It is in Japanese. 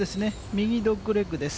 右ドッグレッグです。